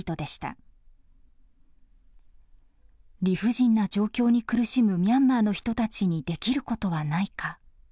理不尽な状況に苦しむミャンマーの人たちにできることはないか。